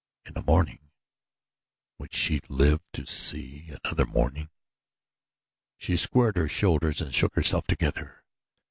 In the morning! Would she live to see another morning? She squared her shoulders and shook herself together.